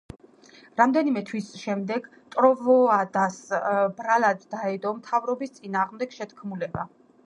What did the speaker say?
რამდენიმე თვის შემდეგ, ტროვოადას ბრალად დაედო მთავრობის წინააღმდეგ შეთქმულება.